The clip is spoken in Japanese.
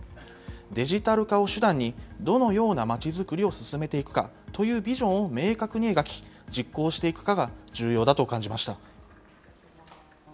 デジタル化を手段に、どのようなまちづくりを進めていくかというビジョンを明確に描き、実行していくかが重要だと感じました。